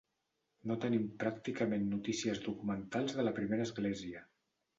No tenim pràcticament notícies documentals de la primera església.